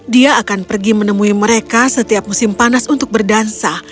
dia akan pergi menemui mereka setiap musim panas untuk berdansa